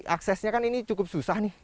aksesnya kan ini cukup susah nih